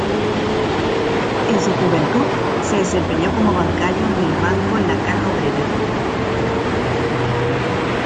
En su juventud se desempeñó como bancario en el Banco la Caja Obrera.